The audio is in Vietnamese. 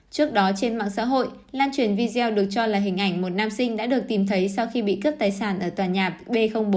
trước đó trên mạng xã hội lan truyền video được cho là hình ảnh một nam sinh đã được tìm thấy sau khi bị cướp tài sản ở tòa nhà b bốn